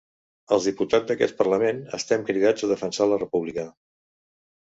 Els diputats d’aquest parlament estem cridats a defensar la república.